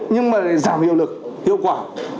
nhưng lại giảm hiệu lực hiệu quả